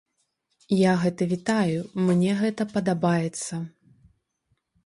Я гэта вітаю, мне гэта падабаецца.